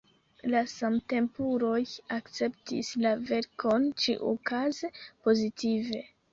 La samtempuloj akceptis la verkon ĉiukaze pozitive.